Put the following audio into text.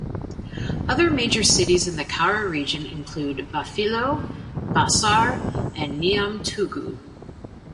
Other major cities in the Kara region include Bafilo, Bassar, and Niamtougou.